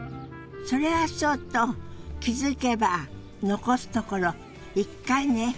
それはそうと気付けば残すところ１回ね。